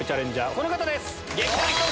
この方です。